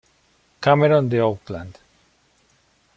Cameron de Auckland.